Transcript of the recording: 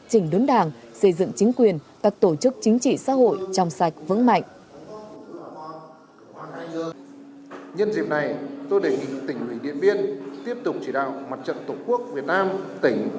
chỉnh đốn đảng xây dựng chính quyền các tổ chức chính trị xã hội trong sạch vững mạnh